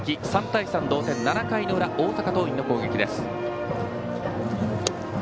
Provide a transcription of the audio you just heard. ３対３の同点、７回の裏大阪桐蔭の攻撃です。